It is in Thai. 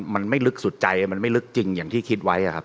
มันไม่ลึกสุดใจมันไม่ลึกจริงอย่างที่คิดไว้ครับ